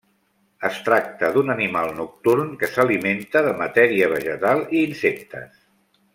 Es tracta d'un animal nocturn que s'alimenta de matèria vegetal i insectes.